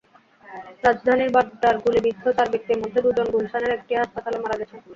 রাজধানীর বাড্ডার গুলিবিদ্ধ চার ব্যক্তির মধ্যে দুজন গুলশানের একটি হাসপাতালে মারা গেছেন।